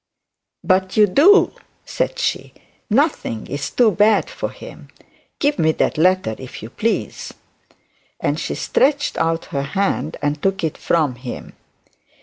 'But you do,' said she. 'Nothing is too bad for him. Give me that letter, if you please;' and she stretched out her hand and took it from him.